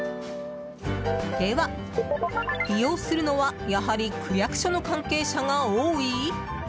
では、利用するのはやはり区役所の関係者が多い？